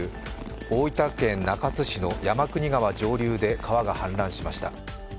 大分県中津市の山国川上流で川が氾濫しました。